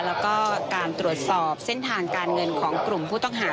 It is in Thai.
แล้วก็การตรวจสอบเส้นทางการเงินของกลุ่มผู้ต้องหา